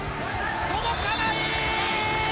届かない。